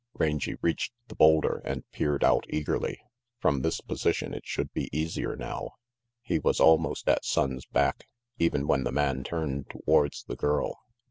Rangy reached the boulder, and peered out eagerly. From this position it should be easier now. He was almost at Sonnes' back, even when the man turned towards the girl.